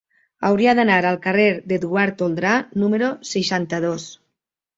Hauria d'anar al carrer d'Eduard Toldrà número seixanta-dos.